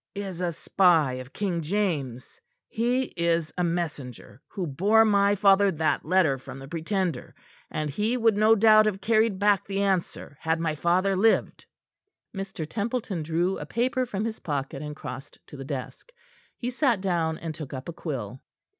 "Is a spy of King James's. He is the messenger who bore my father that letter from the Pretender, and he would no doubt have carried back the answer had my father lived." Mr. Templeton drew a paper from his pocket, and crossed to the desk. He sat down, and took up a quill.